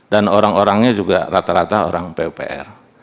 dan orang orangnya juga rata rata orang pupr